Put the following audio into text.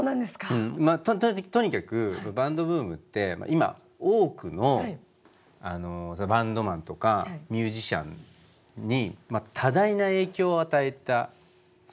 まあとにかくバンドブームって今多くのバンドマンとかミュージシャンに多大な影響を与えたそのムーブメントだったんですよ。